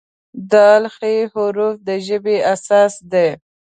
د "خ" حرف د ژبې اساس دی.